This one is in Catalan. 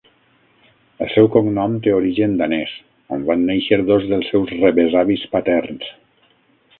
El seu cognom té origen danès, on van néixer dos dels seus rebesavis paterns..